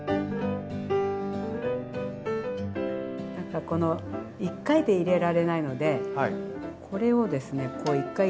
何かこの１回で入れられないのでこれをですねこう１回入れるでしょう？